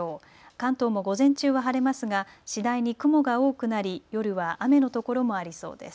関東も午前中は晴れますが次第に雲が多くなり夜は雨の所もありそうです。